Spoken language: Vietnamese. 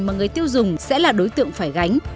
mà người tiêu dùng sẽ là đối tượng phải gánh